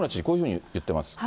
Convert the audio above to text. こういうふうに言っています。